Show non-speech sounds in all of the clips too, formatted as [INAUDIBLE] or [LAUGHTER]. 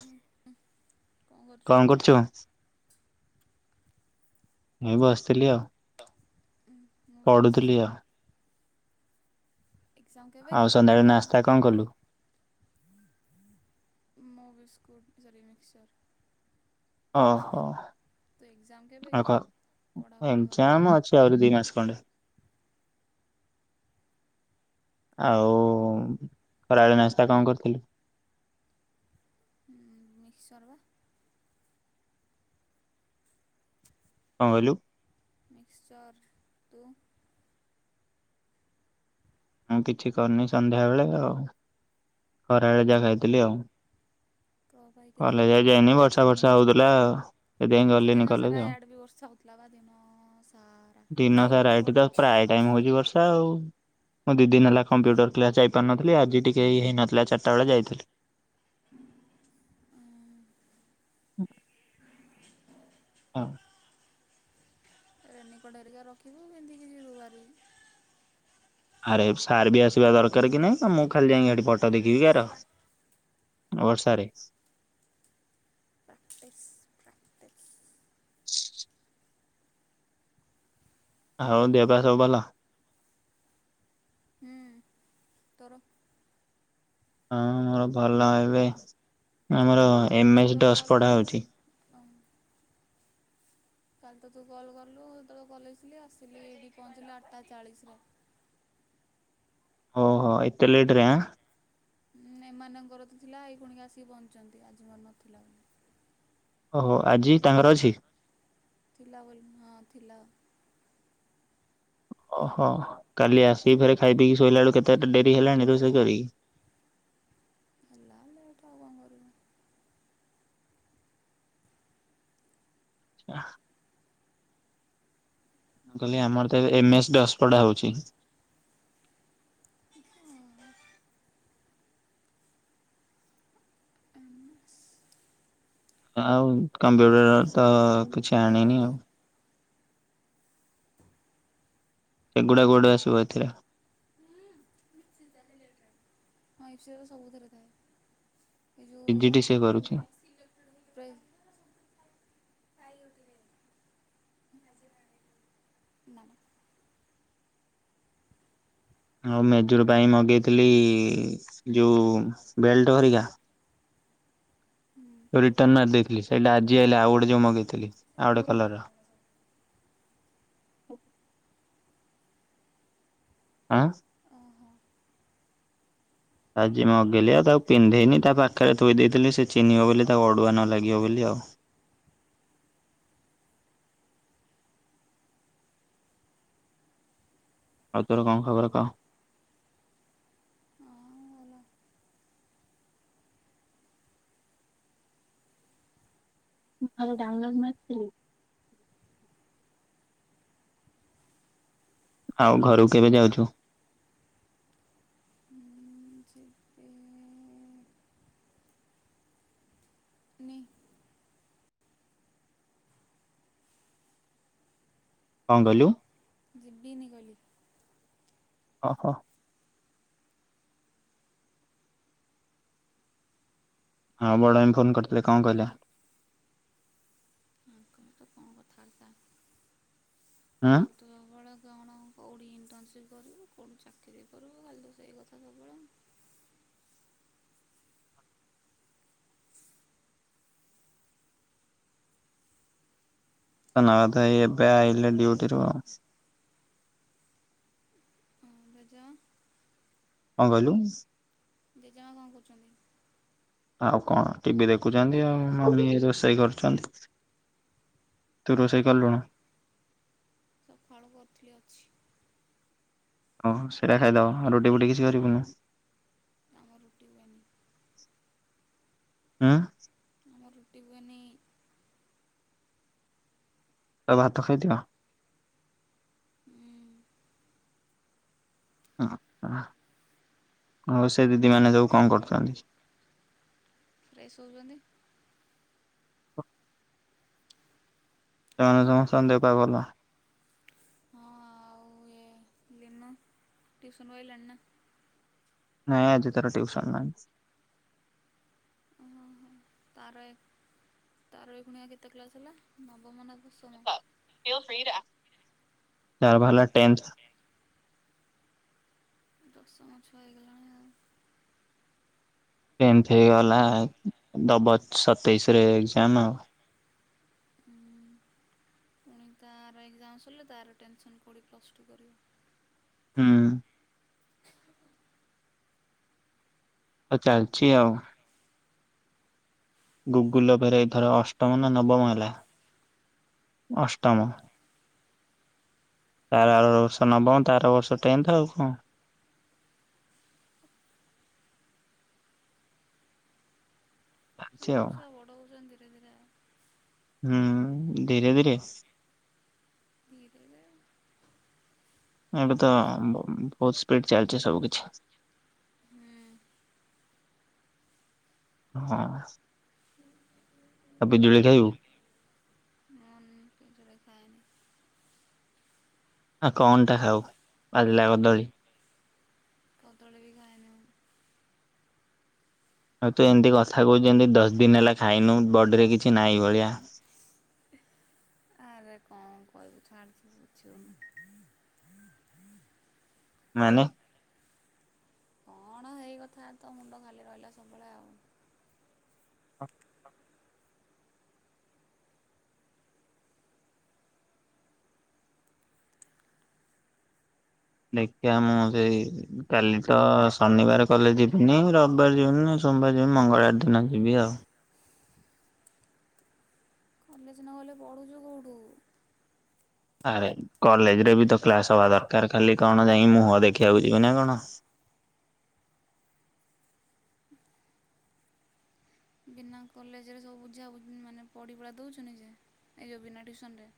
କଣ କରୁଛୁ? କଣ କରୁଚୁ? ମୁଁ ବସିଥିଲି ଆଉ। ମୁଁ ବି ବସିଛି। ପଢ଼ୁଥିଲି ଆ। ଏକ୍ଜାମ କେବେ କି? ଆଉ ସନ୍ଧ୍ୟାବେଳେ ନାସ୍ତା କଣ କଲୁ? ମୁଁ ବିସ୍କୁଟ ସରୀ ମିକ୍ସଚର। ଓ ହୋ। କେବେ ଆ କି? କ ପଢ଼ାପଢ଼ି କଲୁଣି? ଏଗ୍ଜାମ ଅଛି ଆଉରି ଦି ମାସେ ଖଣ୍ଡେ। [INAUDIBLE] ଆଉ ଖରାବେଳେ ନାସ୍ତା କଣ କରିଥିଲୁ? [INAUDIBLE] ହୁଁ ମିକ୍ସଚର ବା। କଣ କଇଲୁ? ମିକ୍ସଚର୍ ତୁ ମୁଁ କିଛି କରିନି ସନ୍ଧ୍ୟାବେଳେ ଆଉ ଖରାବେଳେ ଯାହା ଖାଇଥିଲି ଆଉ ତୋ ପାଇଁ କିଛି କଲେଜ ଆଜି କରିନୁ। ଯାଇନି ବର୍ଷା ଫର୍ଷା ହଉଥିଲା ଆଉ ସେଇଥିପାଇଁ ଆଜି ଗଲିନି ଦିନ ସାରା କଲେଜ ଆଉ ଇଆଡ଼େ ବି ବର୍ଷା ହଉଥିଲା ଦିନ ସାରା ଦିନ ସାରା ଏଠି ତ ପ୍ରାୟ ଟାଇମ ହଉଚି ବର୍ଷା ଆଉ ମୁଁ ଦି ଦିନି ହେଲା କମ୍ପ୍ୟୁଟର କ୍ଲାସ୍ ଯାଇ ପାରୁନଥିଲି ଆଜି ଟିକେ ହେଇନଥିଲା ଚାରିଟାବେଳେ ଯାଇଥିଲି। [UNINTELLIGIBLE] ହଁ। ରେନିକୋଟ ହେରିକା ରଖିବୁ ପିନ୍ଧିକି ଯିବୁ ଭାରି ଆରେ ସାର୍ ବି ଆସିବା ଦରକାର କି ନାଇଁ ନା ମୁଁ ଖାଲି ଯାଇକି ଏଠି ଫଟୋ ଦେଖିବି କାର ବର୍ଷାରେ ପ୍ରାକ୍ଟିସ ପ୍ରାକ୍ଟିସ। ଆଉ ଦେହ ବା ସବୁ ଭଲ? ହୁଁ ତୋର? ହଁ ମୋର ଭଲ ଏବେ ଆମର କାଲି ଏମ ତୁ ଏସ୍ ତ ଦଶ୍ କଲ୍ ପଢା ହଉଛି। କଲୁ। [INAUDIBLE] କାଲି ତ ତୁ କଲ କଲୁ ହେତବେଳେ କଲେଜ ଥିଲି ଆସିଲି ଏଠି ପହଞ୍ଚିଲି ଆଠଟା ଚାଳିଶ ରେ। [INAUDIBLE] ଓହୋ ଏତେ ଲେଟ ରେ ଆଁ? ହଁ ଏମାନଙ୍କର ତ ଥିଲା ଏଇ ଖୁନି ଆସିକି ପହଞ୍ଚିଛନ୍ତି ଆଜି ମୋର ନଥିଲା ବୋଲି। ଓହୋ ଆଜି ତାଙ୍କର ଅଛି? ଥିଲା ବୋଲି ହଁ ଥିଲା। ଓହୋ କାଲି ଆସିିକି ଫେରେ ଖାଇ ପିଇକି ଶୋଇଲା ବେଳକୁ କେତେଟା ଡେରି ହେଲାଣି ରୋଷେଇ ସରିକି। [INAUDIBLE] ହେଲା ଲେଟ୍ ଆଉ କଣ କରିବୁ ଆଃ। ମୁ କହିଲି ଆମର ତ ଏବେ ଏମଏସ୍ ଦଶପଡା ହଉଛି। ଆଉ ଆଉ କମ୍ପ୍ୟୁଟର ସେ ତ କିଛି ଆଣିନି ପିପିଟି ଆଉ। ଏଗୁଡା ଗୋଡା କୁଆଡୁ ଆସିବ ଏଥିରେ। [UNINTELLIGIBLE] ସବୁ ଦିରେ ଥାଏ। ଏ ପି ଜି ଯୋଉ ଡି ସି ଏ କରୁଛି। ପ୍ରେ [UNINTELLIGIBLE] ଆଉ ମେଜୁର ପାଇଁ ମଗେଇଥିଲି ଯୋଉ ବେଲ୍ଟ ହେରିକା ହୁଁ ରିଟର୍ନ ମାରି ଦେଇଥିଲି ସେଇଟା ଆଜି ଆଇଲା ଆଉ ଗୋଟେ ଯୋଉ ମଗେଇଥିଲି ଆଉ ଗୋଟେ କଲର ର। ହ। [INAUDIBLE] ଆଁ। ଓହୋ ଆଜି ମଗେଇଲି ଆଉ ତାକୁ ପିନ୍ଧେଇନି ତା ପାଖରେ ଥୋଇ ଦେଇଥିଲି ସେ ଚିହ୍ନିବ ବୋଲି ତାକୁ ଅଡୁଆ ନ ଲାଗିବ ବୋଲି ଆଉ। [INAUDIBLE] ଆଉ ତୋର କଣ ଖବର କହ? ହଁ ଭଲ। [UNINTELLIGIBLE] ଆଉ ଘରୁକୁ କେବେ ଯାଉଛୁ? ମୁଁ ଯିବିନି ନି। କଣ କହିଲୁ? ଯିବି ନିି କହିଲି। ଅ ହ। ହଁ ବଡ଼ାଇମ ଫୋନ କରିଥିଲେ କଣ କହିଲେ? ଆଙ୍କର ତ କଣ କଥାବାର୍ତ୍ତା ଆଁ। ଖାଲି ତ ସବୁବେଳେ କଣ କେଉଁଠି ଇଣ୍ଟର୍ନସିପ୍ କରିବୁ କଉଢୁ ଚାକିରି କରିବୁ ଖାଲି ତ ସେଇ କଥା ସବୁବେଳେ। [UNINTELLIGIBLE] ଏବେ ଆଇିଲେ ଡ୍ୟୁଟିରୁ। ବଜ। [UNINTELLIGIBLE] କଣ କହିଲୁ? ଜେଜେମା କଣ କରୁଛନ୍ତି? ଆଉ କଣ ଟିବି ଦେଖୁଛନ୍ତି ଆଉ ମମି ରୋଷେଇ କରୁଛନ୍ତି। ତୁ ରୋଷେଇ କଲୁଣୁ? ସକାଳୁ କରିଥିଲି ଅଛି ହଉ ସେଇଟା ଖାଇଦବ ଆଉ ରୁଟି ବୁଟି କିଛି କରିବୁନୁ। ଆମର ରୁଟି ହୁଏନି। ହୁଁ। ଆମର ରୁଟି ହୁଏନି। ତ ଭାତ ଖାଇଦିଅ। ହଁ ହ। ଆଉ ସେ ଦିଦି ମାନେ ଯଉ କଣ କରୁଥାନ୍ତି? ଫ୍ରେଶ ହଉଛନ୍ତି। ତମ ମାନଙ୍କ ସମସ୍ତ ଦେହ ପା ଭଲ। ହଁ ଟ୍ୟୁସନ ରୁ ଆଇଲାଣି ନା ନାଇଁ ଆଜି ତାର ଟିଉସନ ନାଇଁ। ଓହୋ ତାର ଏ ତାର ଏ ଖୁଣିଆ କେତେ କ୍ଲାସ ହେଲା ନବମ ନା। ଦଶମ? ଏବେ ହେଲା ଟେନ୍ଥ। ଦଶମ ଛୁଆ ହେଇଗଲାଣି ଆଉ। ଟେନ୍ଥ ହେଇଗଲା ଉଁ ଦବ ସତେଇଶ ରେ ଏକ୍ଜାମ ଆଉ। ହୁଁ। ପୁଣି ତାର ଏକ୍ଜାମ ସରିଲେ ତାର ଟେନସନ୍ ପୁଣି ପ୍ଲସ୍ ଟୁ କରିବ। ହୁଁ। ଆ ଚାଲଛି ଆଉ। ଗୁଗୁଲ ଫେରେ ଏ ଥର ଅଷ୍ଟମ ନା ନବମ ହେଲା? ଅଷ୍ଟମ। ତାର ଆର ବର୍ଷ ନବମ ତାର ବର୍ଷ ଟେନ୍ଥ ଆଉ କଣ? ହ ଚାଲିଛି ସବୁ ଆଉ। ଛୁଆ ବଡ ହଉଛନ୍ ଧୀରେ ଧୀରେ ଆ ହୁଁ ଧୀରେ ଧୀରେ। ଧୀରେ। ଏବେ ତ ଅଁ ବ ଉ ବହୁତ ସ୍ପିଡ ଚାଲିଛି ସବୁ କିିଛି। ହୁଁ ହଁ। ଆଉ ପିଜୁଳି ଖାଇବୁ। ପିଜୁଳି ଖାଏନି। ଆଉ କଣ ଟା ଖାଉ? ପାଚିଲା କଦଳି। କଦଳୀ ବି ଖାଏନି ମୁଁ। ଆଉ ତୁ ଏମିତି କଥା କହୁଛୁ ଯେନ୍ତି ଦଶ ଦିନ ହେଲା ଖାଇନୁ ବଡିରେ କିଛି ନାହିଁ ଭଳିଆ। ଆରେ କଣ କ ଛାଡ଼ ତୁ ବୁଝିହଉନି। ମାନେ। କଣ ହେଇ କଥା ତ ମୁଣ୍ଡ ଖାଲି ରହିଲା ସବୁବେଳେ ଆଉ। ଦେଖିବା ମୁଁ ସେଇ କାଲି ତ ଶନିବାର କଲେ ଯିବିନି ରବିବାର ଯିବିନି। ସୋମବାର ଯି ମଙ୍ଗଳବାର ଦିନ ଯିବି ଆଉ। କଲେଜ ନଗଲେ ପଢୁଛୁ କଉଠୁ? ଆରେ କଲେଜ ରେ ବି ତ କ୍ଲାସ ହବା ଦରକାର ଖାଲି କଣ ଯାଇ ମୁହଁ ଦେଖିବାକୁ ଯିବି ନା କଣ? ବିନା କଲେଜରେ ସବୁ ବୁଝା ବୁ ମାନେ ପଢ଼ି ପୁଢ଼ା ଦଉଛୁ ନିଜେ ଏଇଯଉ ବିନା ଟ୍ୟୁସନ ରେ।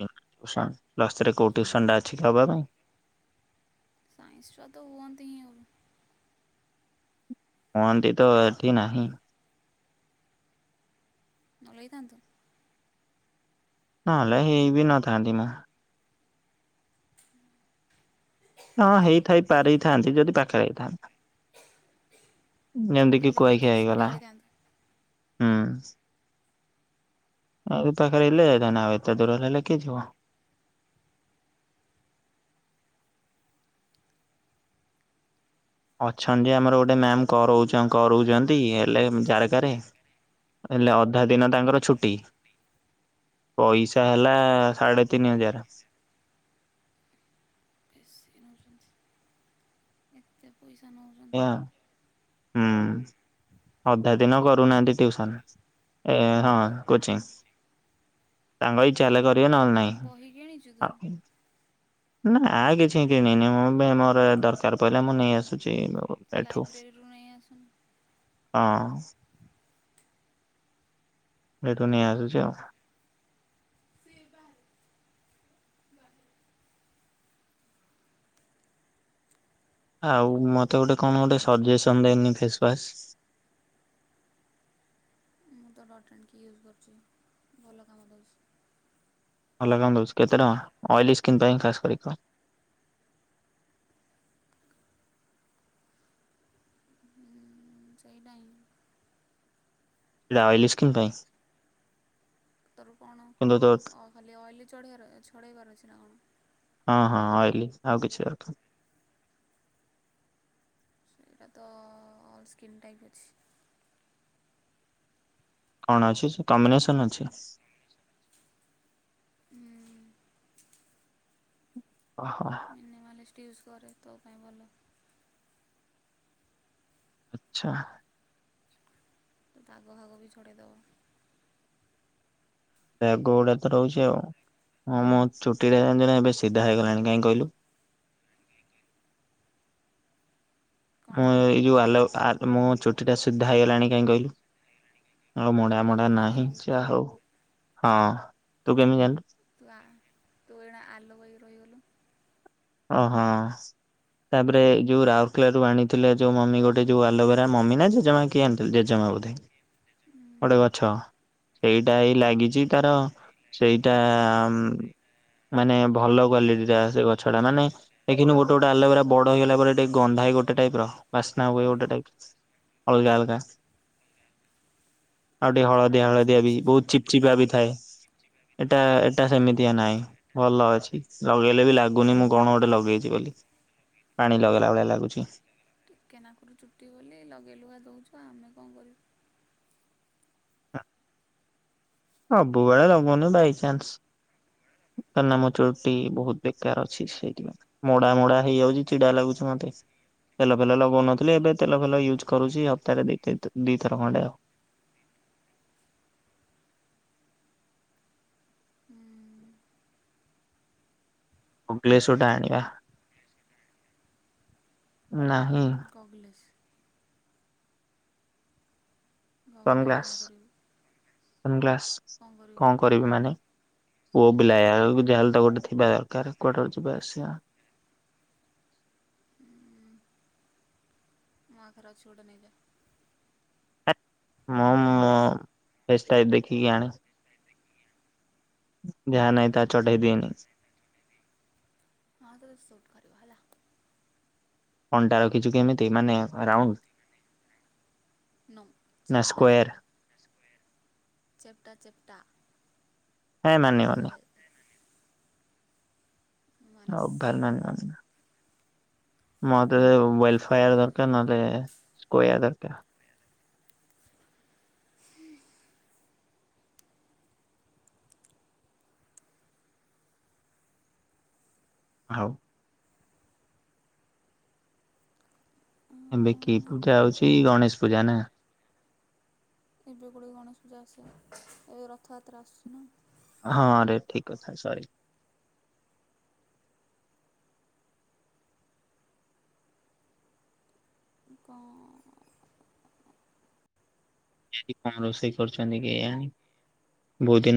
ପ୍ଲ ଟ୍ୟୁସନ ପ୍ଲସ ସ୍ତ୍ରୀ କୋଉ ଟ୍ୟୁସନ ଟା ଅଛି ହବା ପାଇଁ? ସାଇନସି ଚ୍ଛୁଆ ତ ହୁଅନ୍ତି ହିଁ ଆଉ। ହୁଅନ୍ତି ତ ଏଠି ନାହିଁ। ରହିଥାଆନ୍ତୁ। ନହେଲେ ହେଇ ବି ନଥାନ୍ତି ମୁଁ। ହଁ ହେଇଥାଇ ପାରିଥାନ୍ତି ଯଦି ପାଖରେ ହେଇଥାନ୍ତା। ଯେମିତି କିି ଖାଲି କୁଆଖିଆ ଫିଜିକ୍ସ ହେଇଗଲା ପଢ଼ିବାକୁ ଯାଇଥାନ୍ତେ ହୁଁ। ଆଉ ତ ପାଖାରେ ହେଲେ ହୋଇଥାନ୍ତା ଆଉ ଏତେ ଦୁରରେ ହେଲେ କିିଏ ଯିବ? ଅଛନ୍ତି ଯେ ଆମର ଗୋଟେ ମ୍ୟାାମ କର କରାଉଛନ୍ତି ହେଲେ ଜାରକାରେ। ହେଲେ ଅଧା ଦିନ ତାଙ୍କର ଛୁଟି। ପଇସା ହେଲା ସାଢେ ତିନି ହଜାର [INAUDIBLE] ବେଶୀ ନେଉଛନ୍ତି ପଇସା ନ ଉହାଁ ହୁଁ ଅଧା ଦିନ କରୁନାହାନ୍ତି ଟିଉସନ୍ ଏ ହଁ କୋଚିଂ। ତାଙ୍କ ଇଛାହେଲେ କରିବେ ନହେଲେ ବହି କିଣିଛୁ ତୁ ନାହିଁ ନା ଆ କିଛି କିଣିନି ମୁଁ ମେମୋରେ ଦରକାର ପଇଲେ ମୁଁ ନେଇ ଆସୁଛି ଏଠୁ। ଲାଇବ୍ରେରୀରୁ ନେଇ ଆସୁନ? ହଁ। ଏଇ ନେଇଆସୁଛି ଆଉ। ଆଉ ମତେ ଗୋଟେ କଣ ଗୋଟେ ସଜେସନ୍ ଦେଇନି ଫେସୱାସ? [INAUDIBLE] ମୁଁ ତ ଡଟ ଆଣ୍କି ୟୁଜ୍ କରୁଛି ଭଲ କାମ ଦେଉଛି। ଭଲ କାମ ଦଉଛି କେତେ ଟଙ୍କା ଅଏଲି ସ୍କିନ୍ ପାଇଁ ଖାସ୍ କରି କହ? [INAUDIBLE] ସେଇଟାଇ ଏଟା ଅଏଲ ସ୍କ୍ରନ୍ ପାଇଁ? ତୋର କଣ କିନ୍ତୁ ତୋ ଖାଲି ଅଏଲ ଚଢ଼େଇ ବାର ଛଡେଇ ବାର ଅଛି ନା କଣ? ହଁ ହଁ ଅଏଲି ଆଉ କିଛି ରଖି ଏଇଟ ତ ଅଲ ସ୍କନ୍ ଟାଇପ ଅଛି [INAUDIBLE] କଣ ଅଛି ସେ କମ୍ବିନେସନ ଅଛି? ଓ ହୋ ମିନିମାଲିଷ୍ଟ ୟୁଜ୍ କରେ ତୋ ପାଇଁ ଭଲ [INAUDIBLE] ଆଛା। ଦ ଗହହା ଗ ବିି ଡ଼ଦ। [INAUDIBLE] ବେଗ ଗୋଡାତ ରହୁଛି ଆଉ? ହଁ ମୁଁ ଚୁଟିରେ? ଏବେ ସିଧା ହେଇଗଲାଣି କାହିଁ କହିଲୁ [INAUDIBLE] କ'ଣ ମୁଁ ଏଇ ଯୋଉ ଆଲାଉ ଆ ମୋ ଚୁଟି ଟା ସିଧା ହେଇଗଲାଣି କାହିଁ କହିଲୁ? ଆଉ ମଡା ମଡା ଆଲୋଭେରା ଜେଲ୍ ନାହିଁ କହୁଛୁ ଯ ହଉ ହଁ ତୁ କେମିତି ଜାଣିଲୁ? ବା ତୁ ଏଣେ ଆଲୁ ବହି ରହିଗଲୁ [INAUDIBLE] ଓ ହୋ ତାପରେ ଯୋଉ ରାଉରକେଲା ରୁ ଆଣିଥିଲେ ଯୋଉ ମମି ଗୋଟେ ଯୋଉ ଆଲଭେରା ମମି ନା ଜେଜମା କିଏ ଆଣି ଥିଲେ ଜେଜେ ମା। ଗୋଟେ ଗଛ ଏଇଟା ହିଁ ଲାଗିଛି ତାର ସେଇଟା ମାନେ ଭଲ କ୍ଵାଲିଟି ଟା ସେ ଗ ଛଡା ମାନେ ଦେଖିନୁ ଗୋଟେ ଗୋଟେ ଆଲୋଭେରା ବଡ ହେଇଗଲା ପରେ ଟିକେ ଗନ୍ଧା ଗୋଟେ ଟାଇପ ର ବାସ୍ନା ହୁଏ ଗୋଟେ ଟାଇପ। ଅଲଗା ଅଲଗା। ଆଉ ଟିକେ ସେଗୁରା ହଳଦିଆ ବାସ ହଳଦିଆ ବି ବାସୁଛି। ବହୁତ ଚିପ ଚିପା ବି ଥାଏ। ଏଟା ଏଟା ସେମିତିଆ ନାହିଁ ଭଲ ଅଛି ଲଗେଇଲେ ବି ଲାଗୁ ଲାଗୁନି ମୁଁ କଣ ଗୋଟେ ଲଗେଇଛି ବୋଲି ପାଣି ଲଗେଇଲା ଭଳିଆ ଲାଗୁଛ। ଟିକେନାକୁରୁ ଚୁଟି ବୋଲି ଲଗେ଼ଇଲୁଗା ଦଉଛୁ ଆମେ କଣ କରିବୁ? ହ ସବୁବେଳେ ଲଗଉନି ବାଇଚାନ୍ସ। କିଆ ନା ମୋ ଚୁଟି ବହୁତ ବେକାର ଅଛି ସେଇଥିପାଇଁ ମୁଡା ମୁଡା ହେଇଯାଉଛି ଚିଡା ଲାଗୁଛି ମ ମତେ। ତେଲ ଫେଲ ଲଗଉନଥିଲି ଏବେ ତେଲ ଫେଲ ୟୁଜ୍ କରୁଛି ହପ୍ତାହରେ ଦି ତି ଦିଇଥର ଖଣ୍ଡେ ଆଉ। ଆ [INAUDIBLE] ଉଁ ଓଗ୍ଲେଶ ଟା ଆଣିବା ନା। ଗ। ଗଗଲେସ୍ କଣ ସନଗ୍ଲାସ କରିବୁ ସନଗ୍ଲାସ କଣ କରିବି ମାନେ? [UNINTELLIGIBLE] ଯାହା ହେଲେ ତ କୁଆଡେ ଗୋଟେ ଯିବା ଆସିବା। ମୋ ପାଖରେ ଅଛି ଗୋଟେ ନେଇଯା। ମୁଁ ମୁଁ ପ୍ରେସକ୍ରାଇବ ଦେଖିକି ଆଣ। ଯାହା ନାହିଁ ତାହା ଚଢେଇ ଦିଏନି। ହଁ ତେ ସୁଟ କରିବ ହେଲା। ଫେନଟା ରଖିଛୁ କେମିତି ମାନେ ରାଉଣ୍ଡ? ନୋ ନା ଚେପଟା ସ୍କୋୟାର ଚେପଟା ଚେପଟା। ହଁ ମାନି ବନି। ମାନିସ୍ [UNINTELLIGIBLE] ମୋ ଦେହରେ ୱଲଫାୟାର ଦରକାର ନହେଲେ ସ୍କୋୟାର ଦରକାର। ହଉ। ଏବେ କି ପୂଜା ହଉଛି ଗଣେଶ ପୂଜା ନା। ଏବେ ଗୁଡେ ଗଣେଶ ପୂଜା ଆସେ ଏବେ ରଥଯାତ୍ରା ଆସୁଛି ନା। ହଁରେ ଠିକ କଥା ସରି। ଙ୍କ ଆଜି କଣ ରୋଷେଇ କରୁଛନ୍ତି କେଜାଣି ବହୁତ ଦିନ